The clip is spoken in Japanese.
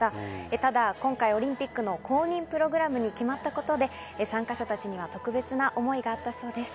ただ今回オリンピックの後任プログラムに決まったことで、参加者たちには特別な思いがあったそうです。